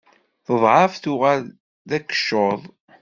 Teḍεef tuɣal d akeccuḍ.